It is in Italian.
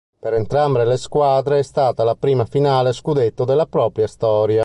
Per entrambe le squadre è stata la prima finale scudetto della propria storia.